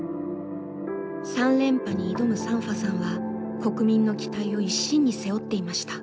３連覇に挑むサンファさんは国民の期待を一身に背負っていました。